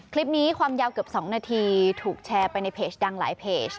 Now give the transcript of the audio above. คลิปนี้ความยาวเกือบ๒นาทีถูกแชร์ไปในเพจดังหลายเพจ